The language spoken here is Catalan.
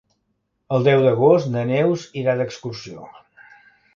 El deu d'agost na Neus irà d'excursió.